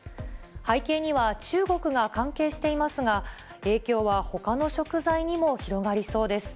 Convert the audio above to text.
背景には、中国が関係していますが、影響はほかの食材にも広がりそうです。